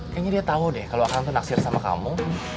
kayaknya dia tau deh kalo akang tuh naksir sama kamu